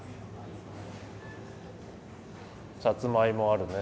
さつまいもあるね。